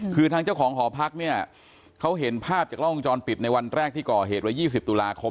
คือทางเจ้าของหอพักเนี่ยเขาเห็นภาพจากล้องวงจรปิดในวันแรกที่ก่อเหตุไว้๒๐ตุลาคม